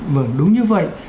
vâng đúng như vậy